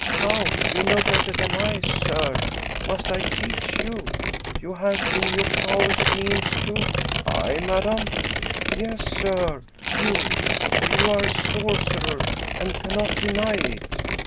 " How, you know better than I, sir; must I teach you? You have in your power means to— "I, madam? "Yes, sir, youl for you are a sorcerer, and cannot deny it."